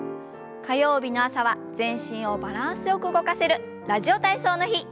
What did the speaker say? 火曜日の朝は全身をバランスよく動かせる「ラジオ体操」の日。